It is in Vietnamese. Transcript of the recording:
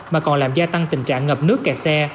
mà còn làm gia tăng tình trạng ngập nước kẹt xe